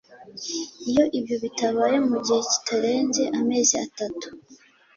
iyo ibyo bitabaye, mu gihe kitarenze amezi atatu